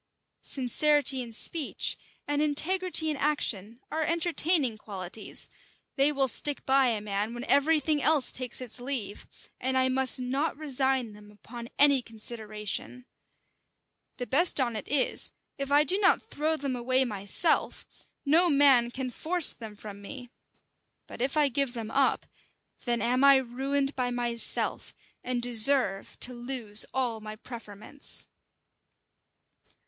Sincerity in speech, and integrity in action, are entertaining qualities: they will stick by a man when every thing else takes its leave; and I must not resign them upon any consideration. The best on it is, if I do not throw them away myself, no man can force them from me: but if I give them up, then am I ruined by myself, and deserve to lose all my preferments."